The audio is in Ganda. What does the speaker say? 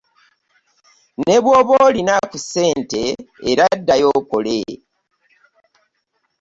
Ne bw'oba olina ku ssente era ddayo okole.